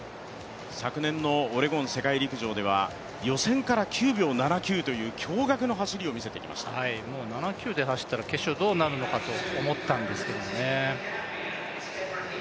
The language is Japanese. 昨年のオレゴン世界陸上では予選から９秒７９という７９で走ったら決勝どうなるかと思ったんですけどね。